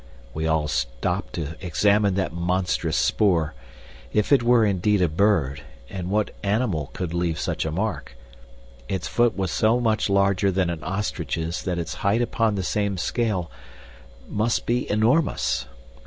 We all stopped to examine that monstrous spoor. If it were indeed a bird and what animal could leave such a mark? its foot was so much larger than an ostrich's that its height upon the same scale must be enormous.